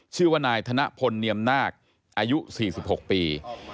ชื่อว่านายธนพลเนียมนาคอายุ๔๖ปี